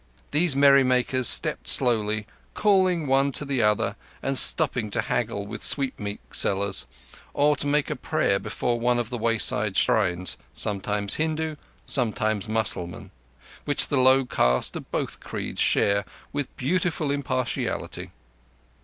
These merry makers stepped slowly, calling one to the other and stopping to haggle with sweetmeat sellers, or to make a prayer before one of the wayside shrines—sometimes Hindu, sometimes Mussalman—which the low caste of both creeds share with beautiful impartiality.